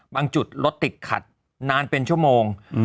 จุดรถติดขัดนานเป็นชั่วโมง